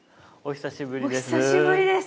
お久しぶりです。